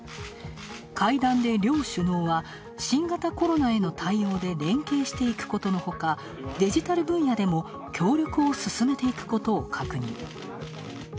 会談で両首脳は新型コロナへの対応で連携していくことのほかデジタル分野でも協力を進めていくことを確認。